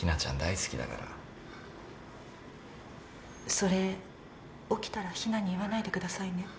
それ起きたら日菜に言わないでくださいね。